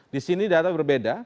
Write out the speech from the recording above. disini data berbeda